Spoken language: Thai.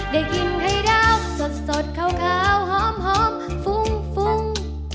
ได้กินไทยดาวสดสดขาวขาวหอมหอมฟุ้งฟุ้ง